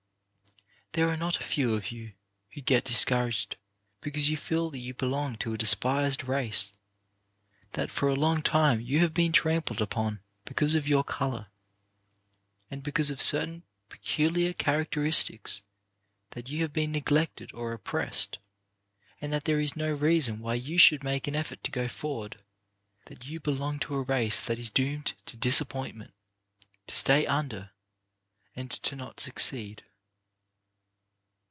There are not a few of you who get dis couraged because you feel that you belong to a despised race ; that for a long time you have been trampled upon because of your colour, and be DON'T BE DISCOURAGED 53 cause of certain peculiar characteristics ; that you have been neglected or oppressed, and that there is no reason why you should make an effort to go forward ; that you belong to a race that is doomed to disappointment, to stay under, and to not succeed.